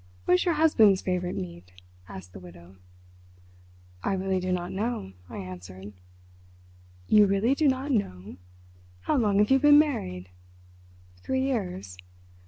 "What is your husband's favourite meat?" asked the Widow. "I really do not know," I answered. "You really do not know? How long have you been married?" "Three years."